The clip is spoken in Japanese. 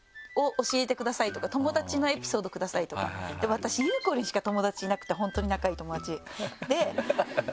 私ゆうこりんしか友達いなくて本当に仲いい友達。